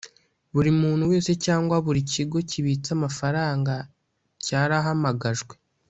buri muntu wese cyangwa buri kigo kibitse amafaranga cyarahamagajwe